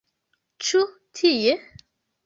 Ĉu tie?